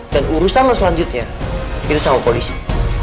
dan urusan lu selanjutnya itu sama polisi